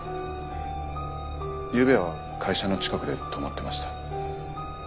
ゆうべは会社の近くで泊まってました。